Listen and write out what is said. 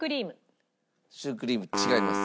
シュークリーム違います。